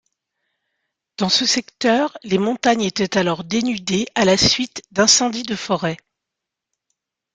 Dans ce secteur, les montagnes étaient alors dénudées à la suite d'incendies de forêt.